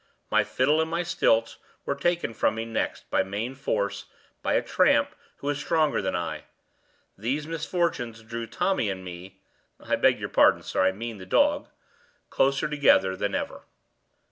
My fiddle and my stilts were taken from me next, by main force, by a tramp who was stronger than I. These misfortunes drew Tommy and me I beg your pardon, sir, I mean the dog closer together than ever.